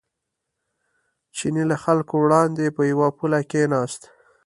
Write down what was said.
چیني له خلکو وړاندې په یوه پوله کېناست.